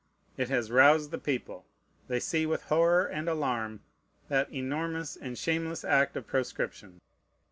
It has roused the people. They see with horror and alarm that enormous and shameless act of proscription.